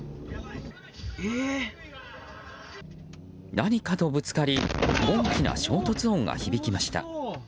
何かとぶつかり大きな衝突音が響きました。